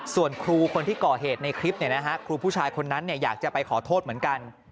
ส่วนครูคนที่ก่อเหตุในคลิปครูผู้ชายคนนั้นอยากจะไปขอโทษเหมือนกัน